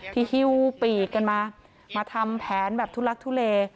ฮิ้วปีกกันมามาทำแผนแบบทุลักทุเล